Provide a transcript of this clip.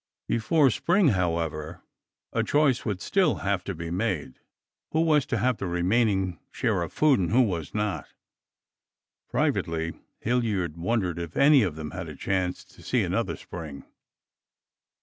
Before spring, however, a choice would still have to be made who was to have the remaining share of food, and who was not? Privately, Hilliard wondered if any of them had a chance to see another spring.